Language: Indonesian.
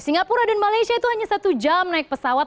singapura dan malaysia itu hanya satu jam naik pesawat